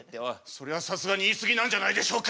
それはさすがに言い過ぎなんじゃないでしょうか？